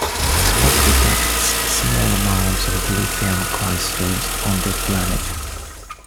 Spock detects small amounts of dilithium crystals on the planet.